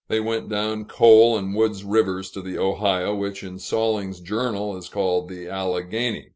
They went down Coal and Wood's Rivers to the Ohio, which in Salling's journal is called the "Alleghany."